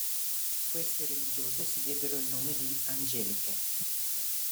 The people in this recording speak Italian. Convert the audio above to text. Queste religiose si diedero il nome di "Angeliche".